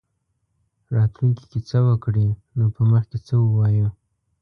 راتلونکې کې څه وکړي نو په مخ کې څه ووایو.